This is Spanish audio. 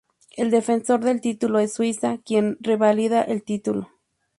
El defensor del título es Suiza, quien revalida el título.